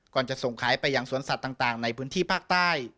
จะส่งขายไปยังสวนสัตว์ต่างในพื้นที่ภาคใต้